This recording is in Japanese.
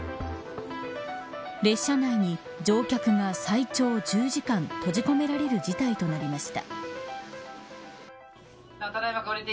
列車内に乗客が最長１０時間閉じ込められる事態となりました。